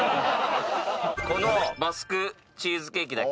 このバスクチーズケーキで。